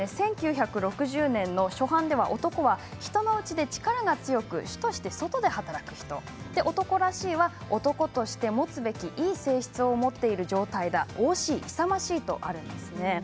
１９６０年の初版では男は人のうちで力が強く主として外で働く人男らしいは、男として持つべきいい性質を持っている状態がおおしい、勇ましいとあるんです。